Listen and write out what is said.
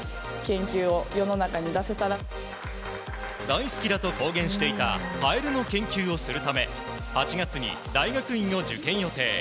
大好きだと公言していたカエルの研究をするため８月に大学院を受験予定。